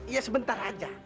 ya sebentar aja